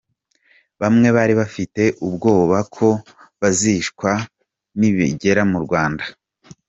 Bamwe bari bafite ubwoba ko bazicwa nibagera mu Rwanda.